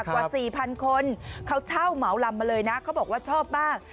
กว่า๔๐๐คนเขาเช่าเหมาลำมาเลยนะเขาบอกว่าชอบมาก